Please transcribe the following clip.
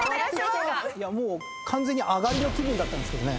もう完全に上がりの気分だったんですけどね。